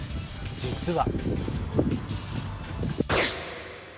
実は。